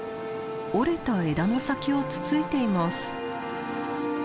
折れた枝の先をつついています。